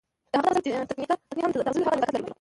د هغه د غزل تکنيک هم د تغزل هغه نزاکت لرلو